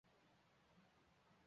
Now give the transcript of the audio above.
有子张缙。